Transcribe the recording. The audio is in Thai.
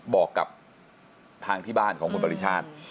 บอกกับทางที่บ้านของคุณปริชาติ